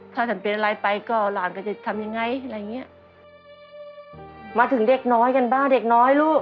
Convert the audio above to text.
ถ้าฉันเป็นอะไรไปก็หลานก็จะทำยังไงอะไรอย่างเงี้ยมาถึงเด็กน้อยกันบ้างเด็กน้อยลูก